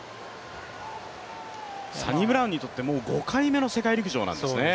サニブラウンにとってもう５回目の世界陸上なんですね。